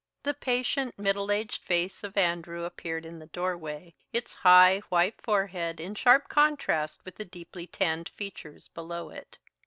The patient, middle aged face of Andrew appeared in the doorway, its high, white forehead in sharp contrast with the deeply tanned features below it.